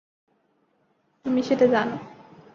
তুমি সেটা জানো।